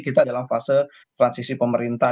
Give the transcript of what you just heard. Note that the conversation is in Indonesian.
kita dalam fase transisi pemerintah